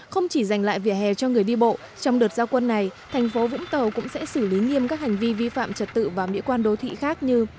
không chỉ dành lại vỉa hè cho người đi bộ trong đợt giao quân này thành phố vũng tàu cũng sẽ xử lý nghiêm các hành vi vi phạm trật tự và mỹ quan đô thị khác như